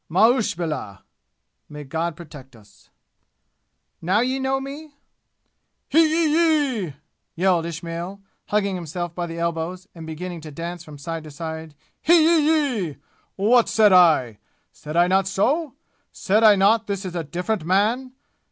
"Ma'uzbillah! (May God protect us!)" "Now ye know me?" "Hee yee yee!" yelled Ismail, hugging himself by the elbows and beginning to dance from side to side. "Hee yee yee! What said I? Said I not so? Said I not this is a different man?